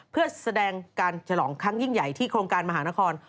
เพื่อแสดงการฉลองครั้งยิ่งใหญ่ที่โครงการมหานคร